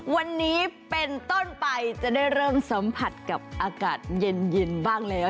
วันนี้เป็นต้นไปจะได้เริ่มสัมผัสกับอากาศเย็นบ้างแล้ว